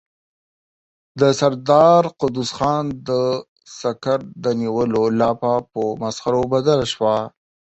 د سردار قدوس خان د سکر د نيولو لاپه په مسخرو بدله شوه.